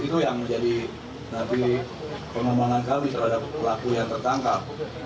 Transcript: itu yang menjadi nanti pengembangan kami terhadap pelaku yang tertangkap